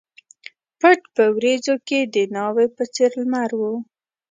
پټ په وریځو کښي د ناوي په څېر لمر و